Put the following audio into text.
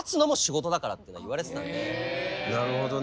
なるほどね。